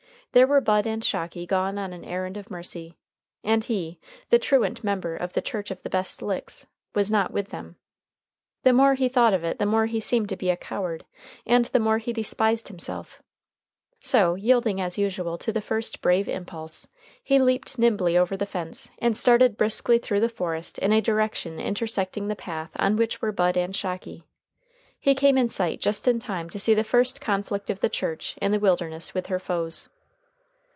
There were Bud and Shocky gone on an errand of mercy, and he, the truant member of the Church of the Best Licks, was not with them. The more he thought of it the more he seemed to be a coward, and the more he despised himself; so, yielding as usual to the first brave impulse, he leaped nimbly over the fence and started briskly through the forest in a direction intersecting the path on which were Bud and Shocky. He came in sight just in time to see the first conflict of the Church in the Wilderness with her foes.